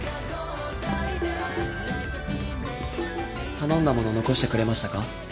頼んだもの残してくれましたか？